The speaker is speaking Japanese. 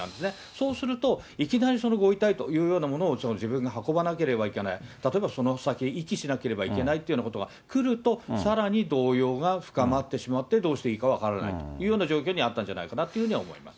そうすると、いきなりそのご遺体というものを自分が運ばなければいけない、例えばその先、遺棄しなければいけないということがくると、さらに動揺が深まってしまって、どうしていいか分からないというような状況にあったんじゃないかなと思います。